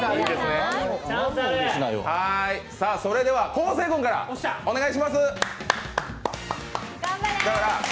それでは昴生君からお願いします。